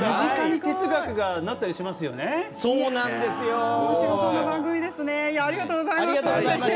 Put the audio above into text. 身近に哲学がなったりしますよね。